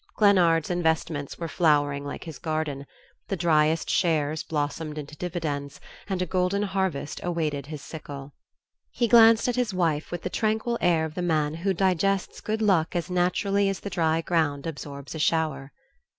Glennard's investments were flowering like his garden: the dryest shares blossomed into dividends, and a golden harvest awaited his sickle. He glanced at his wife with the tranquil air of the man who digests good luck as naturally as the dry ground absorbs a shower.